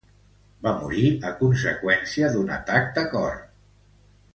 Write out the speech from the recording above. Va morir a conseqüència d'un atac de cor.